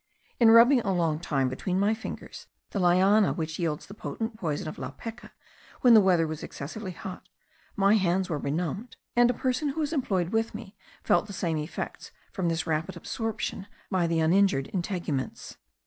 In rubbing a long time between my fingers the liana which yields the potent poison of La Peca, when the weather was excessively hot, my hands were benumbed; and a person who was employed with me felt the same effects from this rapid absorption by the uninjured integuments.